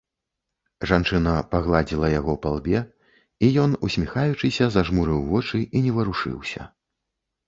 Жанчына пагладзіла яго па лбе, і ён, усміхаючыся, зажмурыў вочы і не варушыўся.